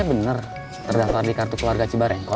habis mulutnya naga naga nyallengkan quante dari anda di rumahmu